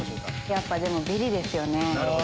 やっぱビリですよね。